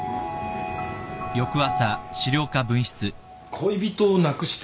恋人を亡くしてる。